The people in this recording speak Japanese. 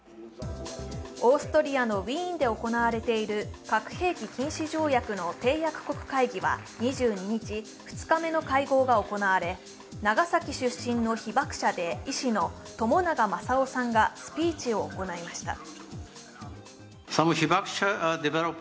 オーストリアのウィーンで行われている核兵器禁止条約の締約国会議は２２日、２日目の会合が行われ、長崎出身の被爆者で医師の朝長万左男さんがスピーチを行いました。